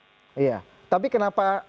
iya tapi kenapa